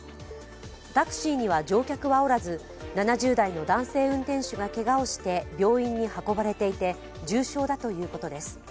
タクシーには乗客はおらず７０代の男性運転手がけがをして、病院に運ばれていて重傷だということです。